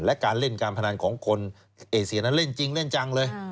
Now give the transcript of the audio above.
และการเล่นการพนันของคนเอเซียนั้นเล่นจริงเล่นจังเลย